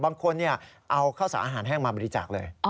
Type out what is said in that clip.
บางคนเอาข้าวสารอาหารแห้งมาบริจาคเลย